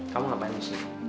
kamu ngapain disini